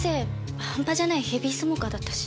はんぱじゃないヘビースモーカーだったし。